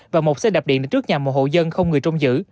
và một xe đạp điện trước nhà một hộ dân không người trông giữ